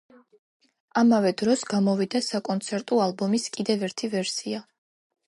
ამავე დროს გამოვიდა საკონცერტო ალბომის კიდევ ერთი ვერსია.